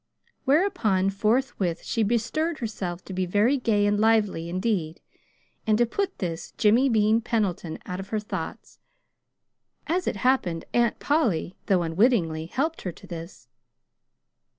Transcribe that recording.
Whereupon, forthwith, she bestirred herself to be very gay and lively indeed, and to put this Jimmy Bean Pendleton out of her thoughts. As it happened, Aunt Polly, though unwittingly, helped her to this.